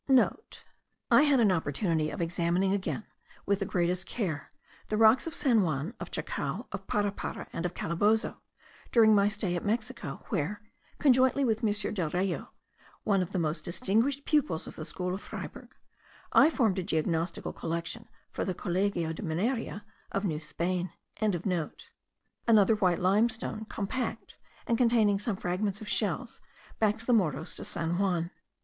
*(* I had an opportunity of examining again, with the greatest care, the rocks of San Juan, of Chacao, of Parapara, and of Calabozo, during my stay at Mexico, where, conjointly with M. del Rio, one of the most distinguished pupils of the school of Freyberg, I formed a geognostical collection for the Colegio de Mineria of New Spain.) Another white limestone, compact, and containing some fragments of shells, backs the Morros de San Juan.